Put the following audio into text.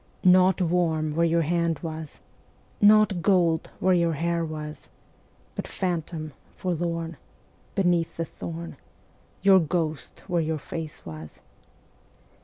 Nought warm where your hand was, Nought gold where your hair was, But phantom, forlorn, Beneath the thorn, Your ghost where your face was.